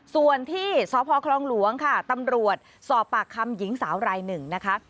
ส่วนที่สพคลองหลวงค่ะตำรวจสอบปากคำหญิงสาวรายหนึ่งนะคะ